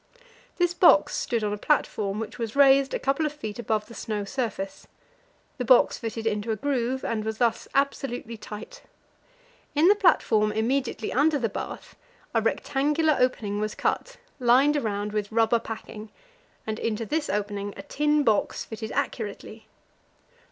This box stood on a platform, which was raised a couple of feet above the snow surface. The box fitted into a groove, and was thus absolutely tight. In the platform immediately under the bath a rectangular opening was cut, lined round with rubber packing, and into this opening a tin box fitted accurately.